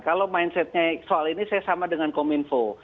kalau mindsetnya soal ini saya sama dengan kominfo